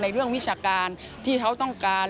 เรื่องวิชาการที่เขาต้องการ